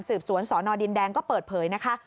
สวนสนดินแดงก็เปิดเผยนะคะ